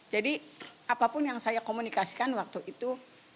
jadi apapun yang saya komunikasikan waktu itu